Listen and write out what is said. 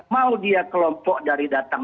mau dia kelompok dari datang